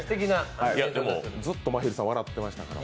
ずっとまひるさん、笑ってましたから。